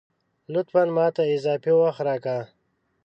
لطفاً ! ماته اضافي وخت راکه